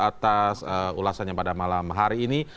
atas ulasannya pada malam hari ini